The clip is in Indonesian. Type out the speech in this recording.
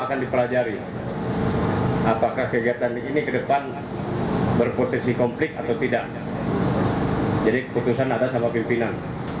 apakah kegiatan ini ke depan berpotensi komplik atau tidak jadi keputusan ada sama pimpinan